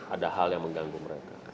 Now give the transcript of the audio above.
ada hal yang mengganggu mereka